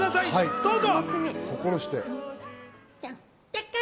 どうぞ！